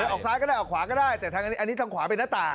ออกซ้ายก็ได้ออกขวาก็ได้แต่ทางอันนี้ทางขวาเป็นหน้าต่าง